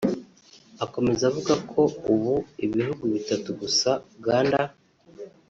akomeza avuga ko ubu ibihugu bitatu gusa (Uganda